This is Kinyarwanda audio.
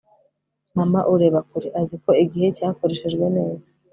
mama ureba kure, azi ko igihe cyakoreshejwe neza